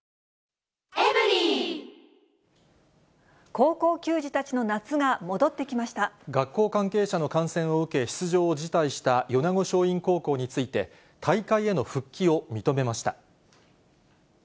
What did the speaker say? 高校球児たちの夏が戻ってき学校関係者の感染を受け、出場を辞退した米子松陰高校について、大会への復帰を認めました。